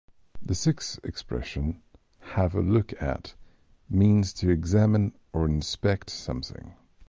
The sixth expression, "have a look at," means to examine or inspect something.